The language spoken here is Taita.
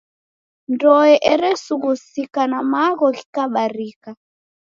Ndoe eresughusika, na magho ghikabarika.